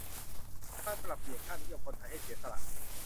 การปรับเปลี่ยนค่านิยมคนไทยให้เสียสละ